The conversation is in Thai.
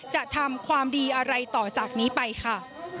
จะทำความดีอะไรต่อจากนี้ไปค่ะ